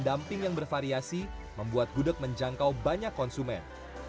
pendamping yang bervariasi membuat gudeg menjangkau banyak konsumen